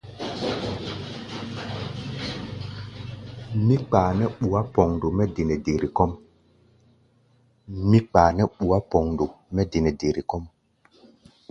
Mí kpaa nɛ́ bɔ̧́í̧á̧ pondo mɛ́ de nɛ dere kɔ́ʼm.